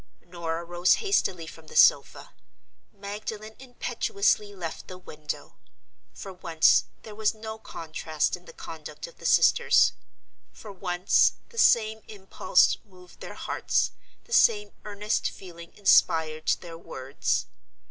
Norah rose hastily from the sofa; Magdalen impetuously left the window. For once, there was no contrast in the conduct of the sisters. For once, the same impulse moved their hearts, the same earnest feeling inspired their words.